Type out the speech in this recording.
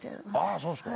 あそうですか。